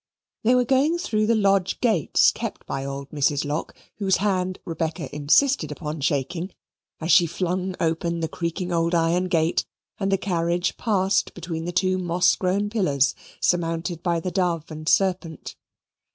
They were going through the lodge gates kept by old Mrs. Lock, whose hand Rebecca insisted upon shaking, as she flung open the creaking old iron gate, and the carriage passed between the two moss grown pillars surmounted by the dove and serpent.